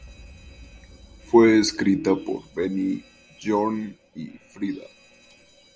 Fue escrita por Benny, Björn y Frida.